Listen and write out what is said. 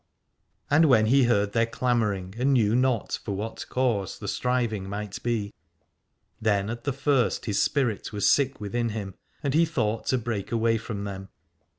And when he heard their clamouring, and knew not for what cause the striving might be, then at the first his spirit was sick within him, and he thought to break away from them.